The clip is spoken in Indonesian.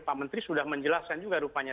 pak menteri sudah menjelaskan juga rupanya